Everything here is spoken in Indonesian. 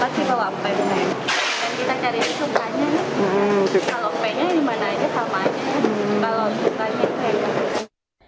dan kita cari yang sukanya kalau pempeknya yang mana aja sama aja kalau sukanya pempek